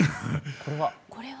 これは？